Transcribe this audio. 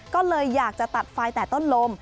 ก็เลยอยากจะตัดไฟแต่ต้นลม